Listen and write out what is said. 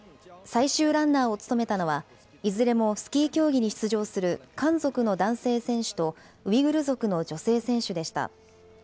最終ランナーを務めたのは、いずれもスキー競技に出場する、漢族の男性選手とウイグル族の女性選手でした。